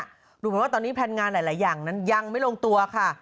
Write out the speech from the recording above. ดูเหมือนว่าตอนนี้แผ่งงานหลายอย่างยังไม่ลงตัวค่ะ